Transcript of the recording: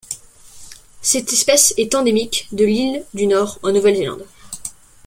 Cette espèce est endémique de l'Île du Nord en Nouvelle-Zélande.